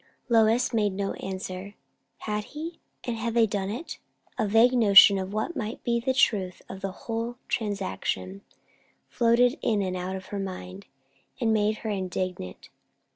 Lois made no answer. Had he? and had they done it? A vague notion of what might be the truth of the whole transaction floated in and out of her mind, and made her indignant.